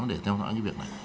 để theo dõi những việc này